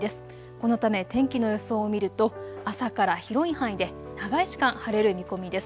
このため天気の予想を見ると朝から広い範囲で長い時間晴れる見込みです。